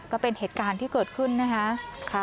ก็เป็นเหตุการณ์ที่เกิดขึ้นนะคะ